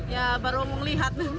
ya baru melihat